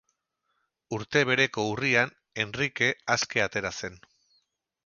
Urte bereko urrian Henrike aske atera zen.